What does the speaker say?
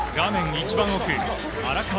一番奥、荒川。